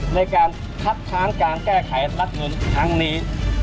ในการคัดทางการแก้ไขรัฐเงินทางนี้